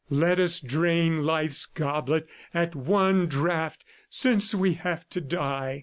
Let us drain Life's goblet at one draught since we have to die!